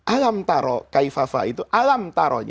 alam taro kaif hafa itu alam taro